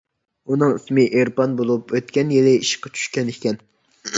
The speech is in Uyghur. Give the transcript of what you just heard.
ئۇنىڭ ئىسمى ئېرپان بولۇپ، ئۆتكەن يىلى ئىشقا چۈشكەن ئىكەن.